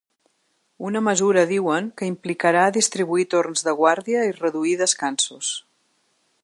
Una mesura, diuen, que implicarà distribuir torns de guàrdia i reduir descansos.